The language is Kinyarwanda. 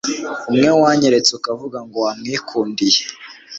umwe wanyeretse ukavuga ngo wamwikundiye!